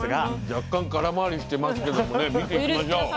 若干空回りしてますけどもね見ていきましょう。